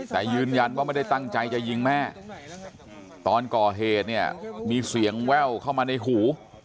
แต่ยืนยันว่าไม่ได้ตั้งใจจะยิงแม่ตอนก่อเหตุเนี่ยมีเสียงแว่วเข้ามาในหู